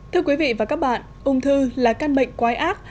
thưa quý vị và các bạn ung thư là căn bệnh quái ác